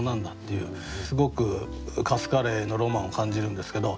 すごくカツカレーのロマンを感じるんですけど。